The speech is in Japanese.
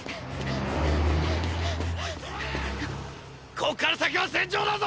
こっから先は戦場だぞ！！